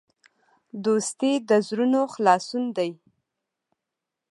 دوستي د زړونو خلاصون دی.